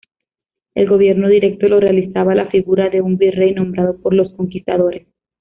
El gobierno directo lo realizaba la figura de un "virrey" nombrado por los conquistadores.